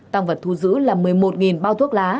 tăng vật thu giữ là một mươi một bao thuốc lá